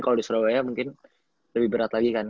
kalau di surabaya mungkin lebih berat lagi kan